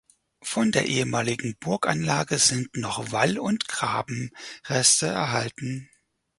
Von der ehemaligen Burganlage sind noch Wall- und Grabenreste erhalten.